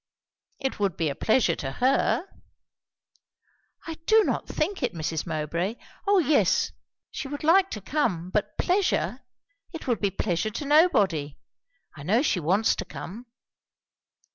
"It would be a pleasure to her." "I do not think it, Mrs. Mowbray! O yes, she would like to come; but pleasure it would be pleasure to nobody. I know she wants to come."